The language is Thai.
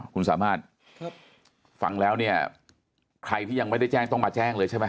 คุณสามารถฟังแล้วเนี่ยใครที่ยังไม่ได้แจ้งต้องมาแจ้งเลยใช่ไหม